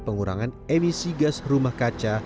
pengurangan emisi gas rumah kaca